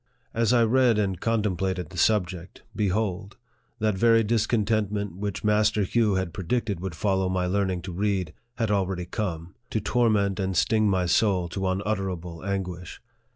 As I read and contemplated the subject, be hold ! that very discontentment which Master Hugh had predicted would follow my learning to read had already come, to torment and sting my soul to unutterable anguish.